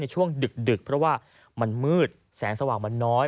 ช่วงดึกเพราะว่ามันมืดแสงสว่างมันน้อย